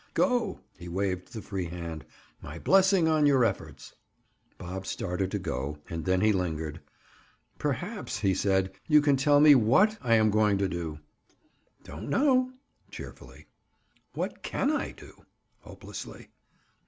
"Go!" He waved the free hand. "My blessing on your efforts." Bob started to go, and then he lingered. "Perhaps," he said, "you can tell me what I am going to do?" "Don't know." Cheerfully. "What can I do?" Hopelessly.